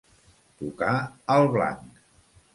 Tocar al blanc.